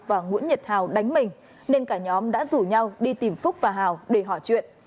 và nguyễn nhật hào đánh mình nên cả nhóm đã rủ nhau đi tìm phúc và hào để hỏi chuyện